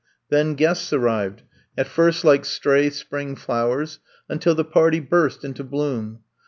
Then guests arrived, at first like stray spring flowers — ^until the party burst into bloom.